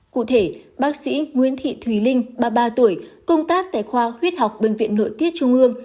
cụ thể bác sĩ nguyễn thị thùy linh ba mươi ba tuổi công tác tại khoa huyết học bệnh viện nội tiết trung ương